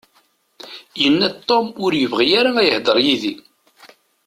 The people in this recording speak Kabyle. Yenna-d Tom ur yebɣi ara ad yehder yid-i.